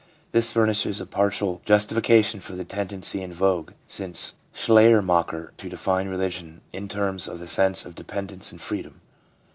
This furnishes a partial justification for the tendency in vogue since Schleiermacher to define religion in terms of the sense of dependence and freedom.